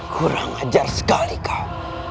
kurang ajar sekali kau